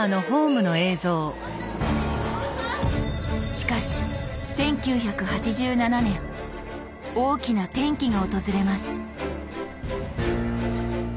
しかし１９８７年大きな転機が訪れます。